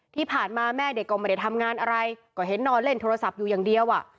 ที่ผ่านมาแม่เด็กก็ไม่ได้ทำงานอะไรก็เห็นนอนเล่นโทรศัพท์อยู่อย่างเดียวอ่ะ